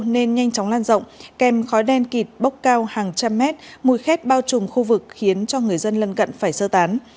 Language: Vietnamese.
nên nhanh chóng lan rộng kèm khói đen kịt bốc cao hàng trăm mét mùi khét bao trùng khu vực khiến cho người dân lân cận phải sơ tán